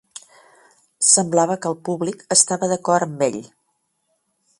Semblava que el públic estava d'acord amb ell.